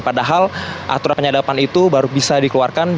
padahal aturan penyadapan itu baru bisa dikeluarkan